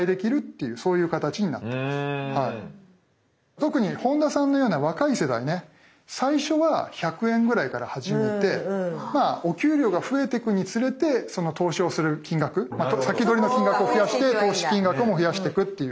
特に本田さんのような若い世代ね最初は１００円ぐらいから始めてお給料が増えてくにつれてその投資をする金額「先取りの金額」を増やして投資金額も増やしてくっていうね。